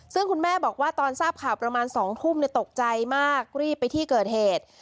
ซึ่งคุณแม่บอกว่าตอนทราบข่าวประมาณ๒ทุ่มตกใจมากรีบไปที่เกิดเหตุ